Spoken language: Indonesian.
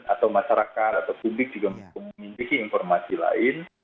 atau masyarakat atau publik juga memiliki informasi lain